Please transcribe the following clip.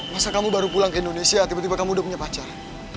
masa kamu baru pulang ke indonesia tiba tiba kamu udah punya pacar